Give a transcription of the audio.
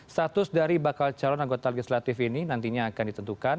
status dari bakal calon anggota legislatif ini nantinya akan ditentukan